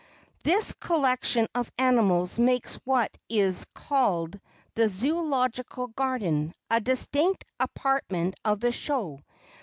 This collection of animals makes what is called the Zoölogical Garden, a distinct apartment of the show.